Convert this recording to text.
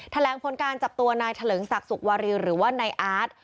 แถลงผลการจับตัวนายเถลิงศักดิ์สุกวารีหรือว่านายอาร์ต